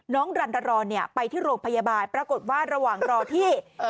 รันดรเนี่ยไปที่โรงพยาบาลปรากฏว่าระหว่างรอที่